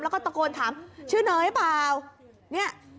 แล้วก็ตะโกนถามชื่อเนอร์ไหมเปล่า